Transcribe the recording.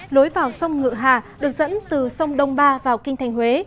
lối vào sông ngựa hà được dẫn từ sông đông ba vào kinh thành huế